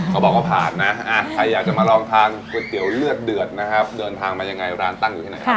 เขาบอกว่าผ่านนะใครอยากจะมาลองทานก๋วยเตี๋ยวเลือดเดือดนะครับเดินทางมายังไงร้านตั้งอยู่ที่ไหนครับ